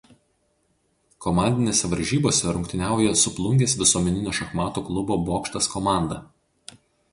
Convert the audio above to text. Komandinėse varžybose rungtyniauja su Plungės visuomeninio šachmatų klubo "Bokštas" komanda.